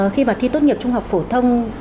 khi mà thi tốt nghiệp trung học phổ thông